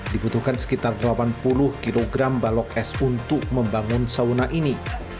dibutuhkan sekitar delapan puluh kg balok es untuk membangun sauna ini